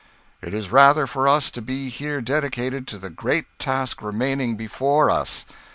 It is rather for us to be here dedicated to the great task remaining before us.